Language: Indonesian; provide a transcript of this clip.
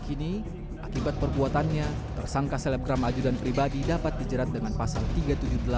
kini akibat perbuatannya tersangka selebgram ajudan pribadi dapat dijerat dengan pasal tiga ratus tujuh puluh delapan